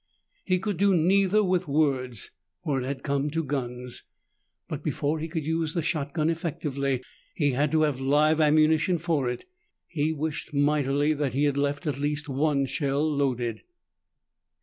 He could do neither with words, for it had come to guns. But before he could use the shotgun effectively, he had to have live ammunition for it. He wished mightily that he had left at least one shell loaded.